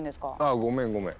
あごめんごめん。